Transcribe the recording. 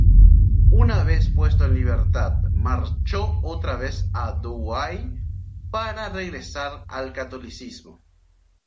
Una vez puesto en libertad marchó otra vez a Douai para regresar al catolicismo.